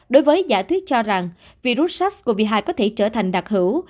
đối với giả thuyết cho rằng virus sars cov hai có thể trở thành đặc hữu